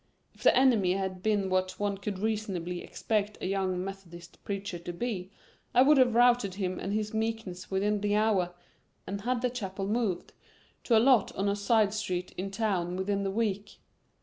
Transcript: If the enemy had been what one could reasonably expect a young Methodist preacher to be, I would have routed him and his meekness within the hour and had the chapel moved to a lot on a side street in town within the week.